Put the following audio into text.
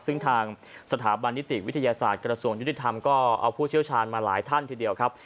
ซึ่งทางสถาบันนิติวิทยาศาสตร์กระทรวงยุติธรรมก็เอาผู้เชี่ยวชาญมาหลายท่านทีเดียวครับ